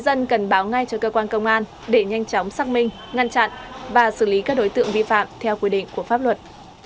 dân cần báo ngay cho cơ quan công an để nhanh chóng xác minh ngăn chặn và xử lý các đối tượng vi phạm theo quy định của pháp luật